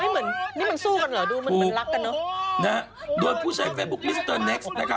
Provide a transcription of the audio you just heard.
ไม่เหมือนนี่มันสู้กันเหรอดูมันรักกันเนอะ